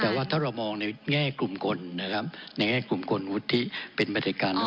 แต่ว่าถ้าเรามองในแง่กลุ่มคนนะครับในแง่กลุ่มคนอุทธิเป็นประเด็จการรัฐสภา